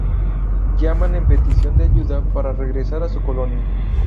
Llaman en petición de ayuda para regresar a su colonia.